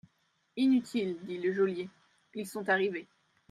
Inutile, dit le geôlier, ils sont arrivés.